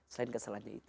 selain kesalahannya itu